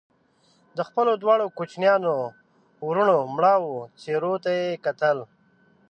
د خپلو دواړو کوچنيانو وروڼو مړاوو څېرو ته يې کتل